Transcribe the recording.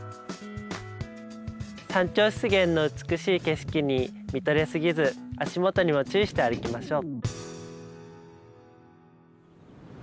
山頂湿原の美しい景色に見とれすぎず足元にも注意して歩きましょう。